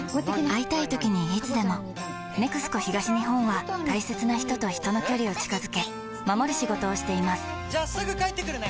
会いたいときにいつでも「ＮＥＸＣＯ東日本」は大切な人と人の距離を近づけ守る仕事をしていますじゃあすぐ帰ってくるね！